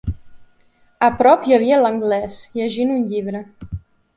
A prop hi havia l'anglès, llegint un llibre.